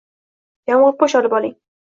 Yomg'irpo'sh olib oling